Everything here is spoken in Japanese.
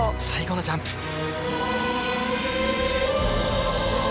最後のジャンプ。